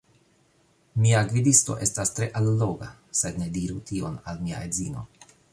Mia gvidisto estas tre alloga sed ne diru tion al mia edzino!